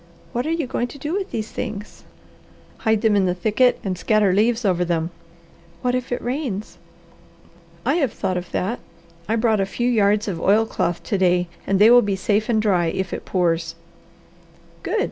What are you going to do with these things?" "Hide them in the thicket and scatter leaves over them." "What if it rains?" "I have thought of that. I brought a few yards of oilcloth to day and they will be safe and dry if it pours." "Good!"